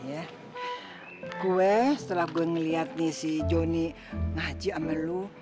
nih ya gue setelah gue ngeliat nih si jonny nhajji amel dan lu